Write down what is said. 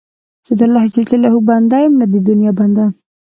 زه د الله جل جلاله بنده یم، نه د دنیا بنده.